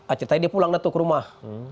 akhirnya dia pulang dah tuh ke rumah